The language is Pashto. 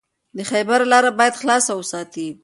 د خیبر لاره باید خلاصه وساتئ.